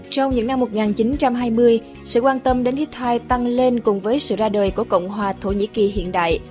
trong những năm một nghìn chín trăm hai mươi sự quan tâm đến hittite tăng lên cùng với sự ra đời của cộng hòa thổ nhĩ kỳ hiện đại